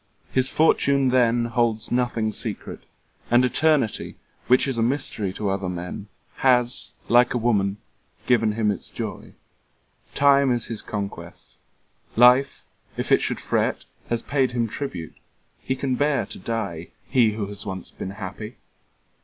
His fortune then Holds nothing secret; and Eternity, Which is a mystery to other men, Has like a woman given him its joy. 5 Time is his conquest. Life, if it should fret. Has paid him tribute. He can bear to die, He who has once been happy!